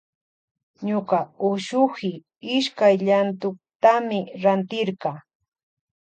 Ñuka ushuhi iskay llantuktami rantirka.